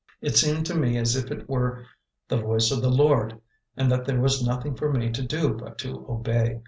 It seemed to me as if it were the voice of the Lord, and that there was nothing for me to do but to obey.